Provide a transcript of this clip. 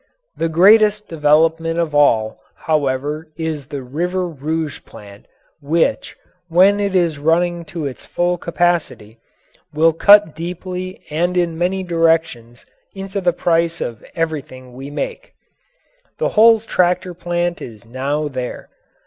The greatest development of all, however, is the River Rouge plant, which, when it is running to its full capacity, will cut deeply and in many directions into the price of everything we make. The whole tractor plant is now there.